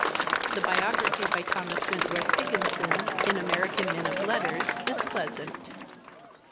The biography by Thomas Wentworth Higginson in American Men of Letters is pleasant.